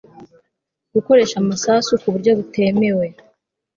gukoresha amasasu ku buryo butemewe